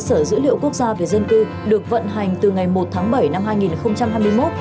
cơ sở dữ liệu quốc gia về dân cư được vận hành từ ngày một tháng bảy năm hai nghìn hai mươi một